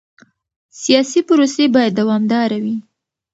سیاسي پروسې باید دوامداره وي